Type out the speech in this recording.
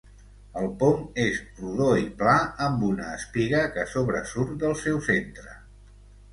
El pom és rodó i pla amb una espiga que sobresurt del seu centre.